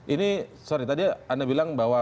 ini sorry tadi anda bilang bahwa berdasar harus membangun